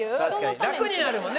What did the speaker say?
楽になるもんね？